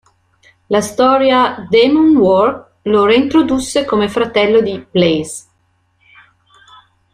La storia "Demon War" lo reintrodusse come fratello di Blaze.